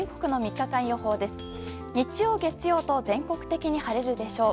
日曜、月曜と全国的に晴れるでしょう。